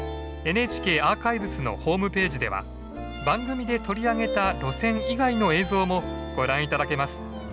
ＮＨＫアーカイブスのホームページでは番組で取り上げた路線以外の映像もご覧頂けます。